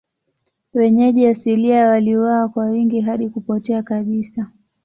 Wenyeji asilia waliuawa kwa wingi hadi kupotea kabisa.